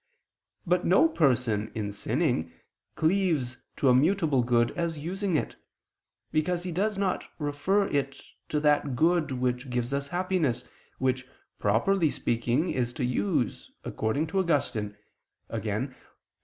But no person, in sinning, cleaves to a mutable good as using it: because he does not refer it to that good which gives us happiness, which, properly speaking, is to use, according to Augustine (De Doctr.